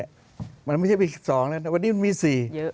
แล้วมันไม่ใช่มี๒แล้ววันนี้มี๔